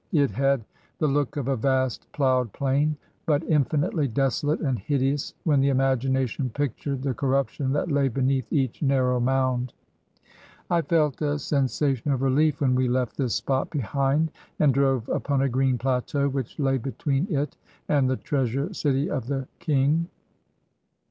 It had the look of a vast ploughed plain; but infinitely desolate and hideous when the imagination pictured the corrup tion that lay beneath each narrow mound. I felt a sen sation of relief when we left this spot behind, and drove upon a green plateau which lay between it and the treasure city of the king.